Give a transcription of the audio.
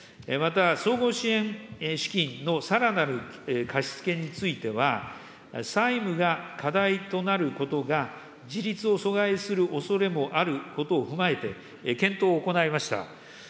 また、総合支援資金のさらなる貸し付けについては、債務が過大となることが自立を阻害するおそれもあることを踏まえて、検討を行いました。